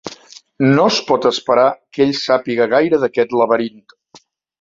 No es pot esperar que ell sàpiga gaire d'aquest laberint.